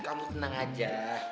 kamu tenang aja